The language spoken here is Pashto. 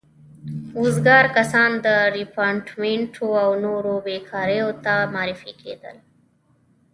وزګار کسان ریپارټیمنټو او نورو بېګاریو ته معرفي کېدل.